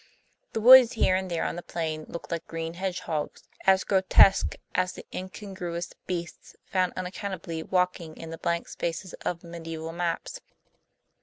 The woods here and there on the plain looked like green hedgehogs, as grotesque as the incongruous beasts found unaccountably walking in the blank spaces of mediaeval maps.